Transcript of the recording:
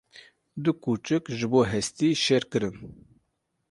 Du kûçik ji bo hestî şer kirin.